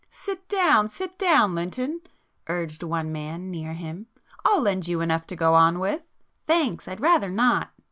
"Sit down, sit down, Lynton!" urged one man near him. "I'll lend you enough to go on with." "Thanks, I'd rather not!"